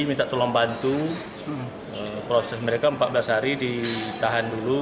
minta tolong bantu proses mereka empat belas hari ditahan dulu